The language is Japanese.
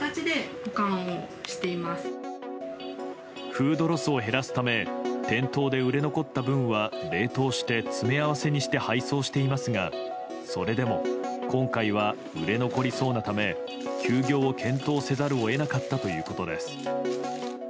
フードロスを減らすため店頭で売れ残った分は冷凍して詰め合わせにして配送していますがそれでも今回は売れ残りそうなため休業を検討せざるを得なかったということです。